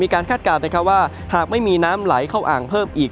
คาดการณ์ว่าหากไม่มีน้ำไหลเข้าอ่างเพิ่มอีก